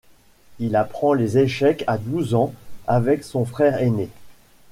Il apprend les échecs à douze ans avec son frère aîné.